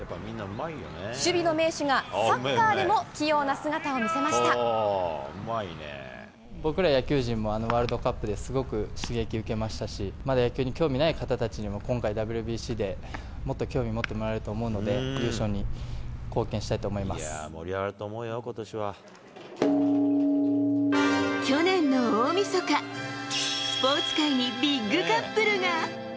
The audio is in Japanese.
守備の名手が、サッカーでも僕ら野球人も、あのワールドカップですごく刺激受けましたし、まだ野球に興味ない方たちにも、今回、ＷＢＣでもっと興味を持ってもらえると思うので、優勝に貢献した去年の大みそか、スポーツ界にビッグカップルが。